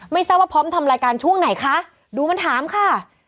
ทราบว่าพร้อมทำรายการช่วงไหนคะดูมันถามค่ะ